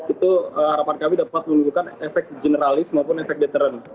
itu harapan kami dapat menimbulkan efek generalis maupun efek deteren